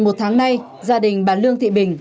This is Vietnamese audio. một tháng nay gia đình bà lương thị bình